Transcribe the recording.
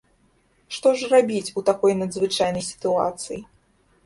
Што ж рабіць у такой надзвычайнай сітуацыі?